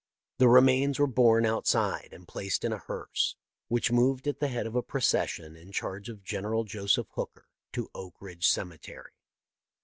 The remains were borne outside and placed in a hearse, which moved at the head of a procession in charge of General Joseph Hooker to Oak Ridge cemetery.